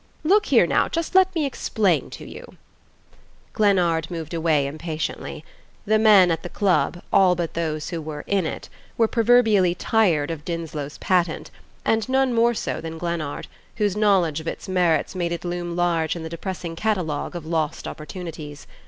Look here, now, just let me explain to you " Glennard moved away impatiently. The men at the club all but those who were "in it" were proverbially "tired" of Dinslow's patent, and none more so than Glennard, whose knowledge of its merits made it loom large in the depressing catalogue of lost opportunities.